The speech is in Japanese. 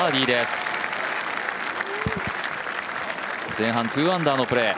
前半２アンダーのプレー。